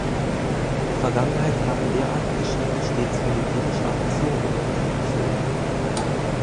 In der Vergangenheit haben derartige Schritte stets militärische Aktionen nach sich gezogen.